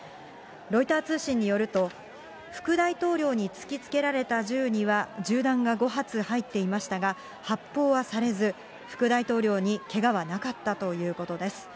ロイター通信によると、副大統領に突きつけられた銃には銃弾が５発入っていましたが、発砲はされず、副大統領にけがはなかったということです。